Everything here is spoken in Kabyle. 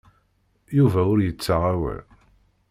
Yuba ur yettaɣ awal.